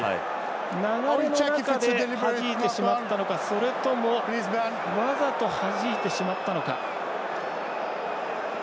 流れの中ではじいてしまったのかそれとも、わざとはじいてしまったのか。